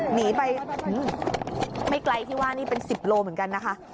หนีไปไม่ไกลที่ว่านี่เป็น๑๐โลเหมือนกันนะคะ